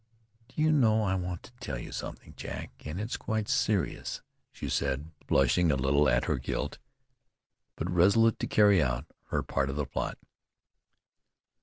"Do you know I want to tell you something, Jack, and it's quite serious," she said, blushing a little at her guilt; but resolute to carry out her part of the plot.